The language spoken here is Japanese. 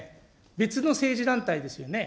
別の政治団体ですよね。